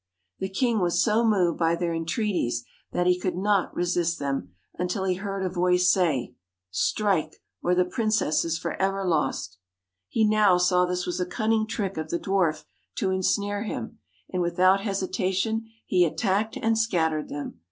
The king was so moved by their en treaties that he could not resist them, until he 105 THE heard a voice say :' Strike, or the princess is for YELLOW ever lost.' He now saw this was a cunning trick DWARF o f t jj e dwarf to ensnare him, and without hesita tion he attacked and scattered them.